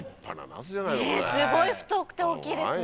すごい太くて大きいですね。